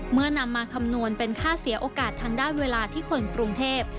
นำมาคำนวณเป็นค่าเสียโอกาสทางด้านเวลาที่คนกรุงเทพ